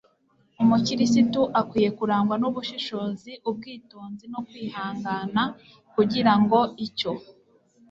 umukirisitu akwiye kurangwa n'ubushishozi, ubwitonzi n'ukwihangana, kugira ngo icyo